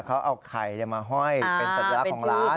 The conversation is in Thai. เขาเอาไข่มาห้อยเป็นสัญลักษณ์ของร้าน